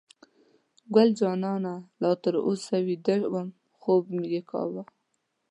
ګل جانه لا تر اوسه ویده وه، خوب یې کاوه.